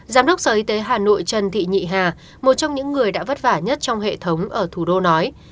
giám đốc sở y tế hà nội trần thị nhị hà một trong những người đã vất vả nhất trong hệ thống ở thủ đô nói